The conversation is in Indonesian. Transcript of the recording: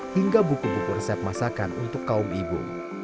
hingga buku buku resep masakan untuk kaum ibu